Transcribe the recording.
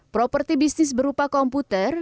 properti bisnis berupa komputer